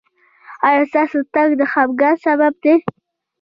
ایا ستاسو تګ د خفګان سبب دی؟